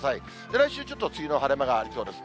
来週、ちょっと梅雨の晴れ間がありそうです。